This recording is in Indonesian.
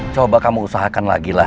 coba kamu usahakan lagi lah